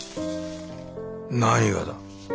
何がだ？